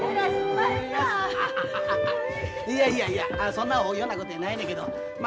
いやいやいやそんな大仰なことやないねんけどまあ